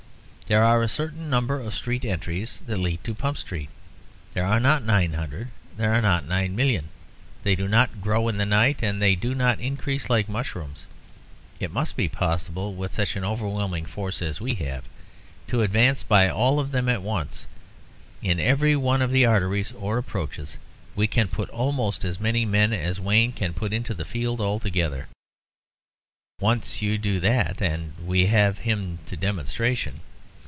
There are a certain number of street entries that lead to Pump Street. There are not nine hundred; there are not nine million. They do not grow in the night. They do not increase like mushrooms. It must be possible, with such an overwhelming force as we have, to advance by all of them at once. In every one of the arteries, or approaches, we can put almost as many men as Wayne can put into the field altogether. Once do that, and we have him to demonstration.